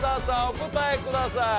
お答えください。